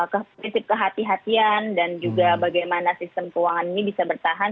prinsip kehatian dan juga bagaimana sistem keuangan ini bisa bertahan